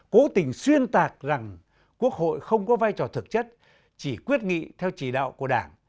cố tình xuyên tạc rằng quốc hội không có vai trò thực chất chỉ quyết nghị theo chỉ đạo của đảng